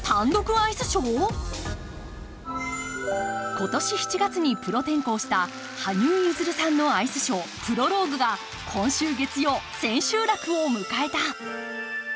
今年７月にプロ転向した羽生結弦さんのアイスショー「プロローグ」が今週月曜千秋楽を迎えた。